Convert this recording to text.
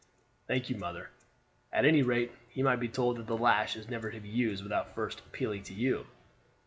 "Thank you, mother. At any rate, he might be told that the lash is never to be used without first appealing to you."